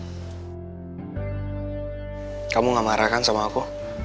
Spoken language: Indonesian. reva kamu gak marah kan sama aku